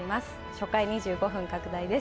初回２５分拡大です